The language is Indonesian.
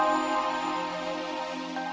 wah ini sumpah